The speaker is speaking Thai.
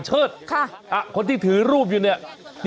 ขอบคุณครับขอบคุณครับ